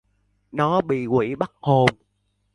Nó bị quỷ bắt hồn